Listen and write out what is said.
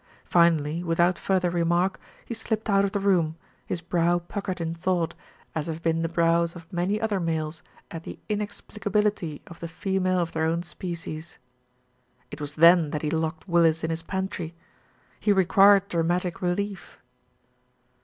Finally, without further remark, he slipped out of the room, his brow puckered in thought, as have been the brows of many other males at the inexplicability of the female of their own species. It was then that he locked Willis in his pantry. He required dramatic relief.